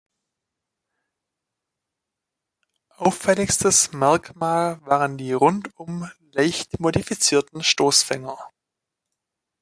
Auffälligstes Merkmal waren die rundum leicht modifizierten Stoßfänger.